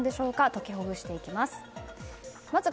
解きほぐしていきます。